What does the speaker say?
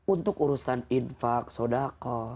untuk urusan infak sodakal